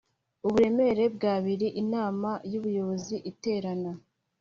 uburemere bw abiri Inama y ubuyobozi iterana